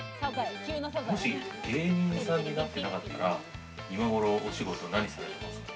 もし芸人さんになってなかったら今頃、お仕事、何されてますか？